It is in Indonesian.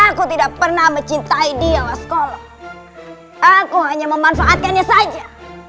aku tidak pernah mencintai dia mas kalau aku hanya memanfaatkannya saja